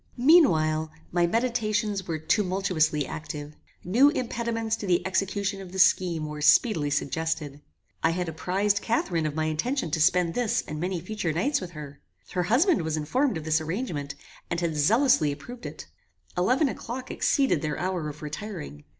Meanwhile, my meditations were tumultuously active. New impediments to the execution of the scheme were speedily suggested. I had apprized Catharine of my intention to spend this and many future nights with her. Her husband was informed of this arrangement, and had zealously approved it. Eleven o'clock exceeded their hour of retiring.